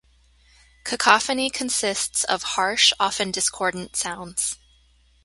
Cacophony consists of harsh, often discordant sounds.